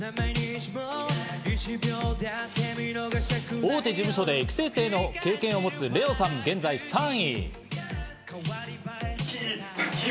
大手事務所で育成生の経験を持つレオさん、現在３位。